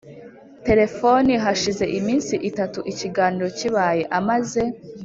telefoni hashize iminsi itatu ikiganiro kibaye. amaze